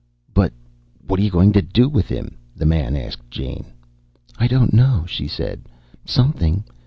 "But what are you going to do with him?" the man asked Jane. "I don't know," she said. "Something.